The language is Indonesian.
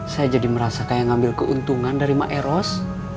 saya jadi merasa kayak ngambil keuntungan dari mak eros